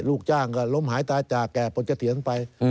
ลูกจ้างก็ล้มหายตายจากแก่ปลดกระเถียรไป